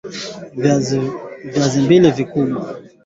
Viazi mbili vikubwa